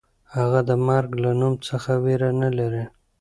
هغه د مرګ له نوم څخه وېره نه لري.